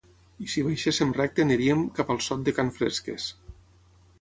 i si baixéssim recte aniríem cap al sot de can Fresques